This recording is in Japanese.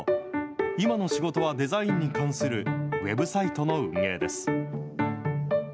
今の仕事は、デザインに関するウェブサイトの運営です。